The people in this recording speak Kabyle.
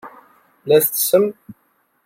La ttessem?